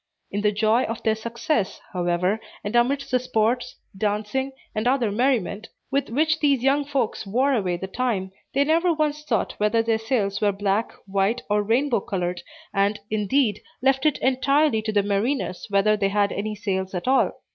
In the joy of their success, however, and amidst the sports, dancing, and other merriment, with which these young folks wore away the time, they never once thought whether their sails were black, white, or rainbow colored, and, indeed, left it entirely to the mariners whether they had any sails at all.